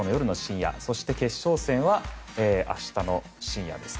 そして、決勝戦は明日の深夜です。